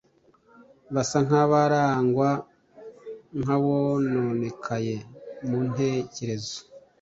basa nkabarangwa nkabononekaye mu ntekerezo